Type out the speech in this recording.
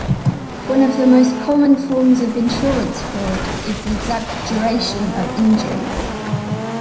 One of the most common forms of insurance fraud is the exaggeration of injuries.